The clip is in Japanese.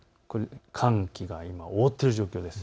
寒気が覆っている状況です。